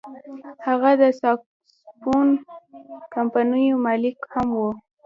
هغه د ساکسوفون کمپنیو مالک هم و.